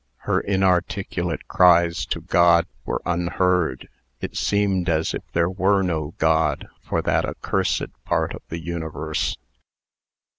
Her inarticulate cries to God were unheard. It seemed as if there were no God for that accursed part of the universe.